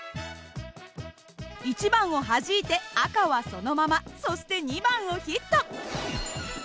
１番をはじいて赤はそのままそして２番をヒット。